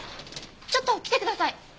ちょっと来てください！